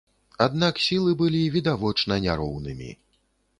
Аднак сілы былі відавочна няроўнымі.